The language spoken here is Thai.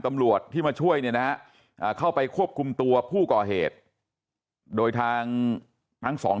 ตำรวจที่มาช่วยเนี่ยนะฮะเข้าไปควบคุมตัวผู้ก่อเหตุโดยทางทั้งสอง